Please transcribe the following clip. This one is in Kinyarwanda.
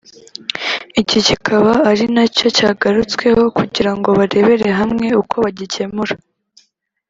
iki kikaba ari nacyo cyagarutsweho kugira ngo barebere hamwe uko bagikemura